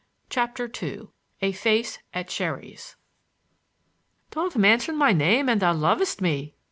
CHAPTER II A FACE AT SHERRY'S "Don't mention my name an thou lovest me!"